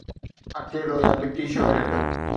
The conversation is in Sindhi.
اڪيلو يا ٻٽي شهريت